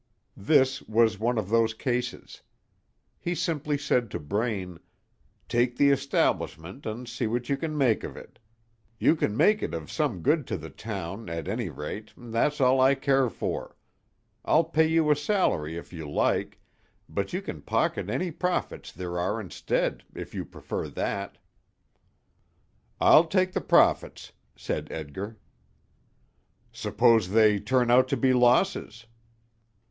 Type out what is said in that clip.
This was one of those cases. He simply said to Braine: "Take the establishment and see what you can make of it. You can make it of some good to the town, at any rate, and that's all I care for. I'll pay you a salary if you like, or you can pocket any profits there are instead, if you prefer that." "I'll take the profits," said Edgar. "Suppose they turn out to be losses?"